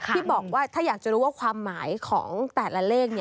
ที่บอกว่าถ้าอยากจะรู้ว่าความหมายของแต่ละเลข